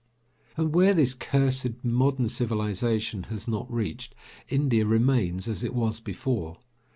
And where this cursed modern civilization has not reached, India remains as it was before.